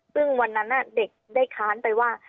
ซึ่งวันนั้นเด็กได้ค้านไปว่า